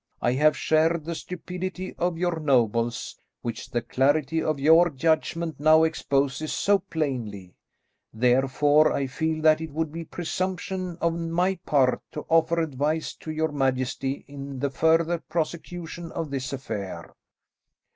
I have shared the stupidity of your nobles, which the clarity of your judgment now exposes so plainly; therefore, I feel that it would be presumption on my part to offer advice to your majesty in the further prosecution of this affair."